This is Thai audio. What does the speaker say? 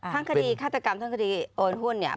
คดีฆาตกรรมทั้งคดีโอนหุ้นเนี่ย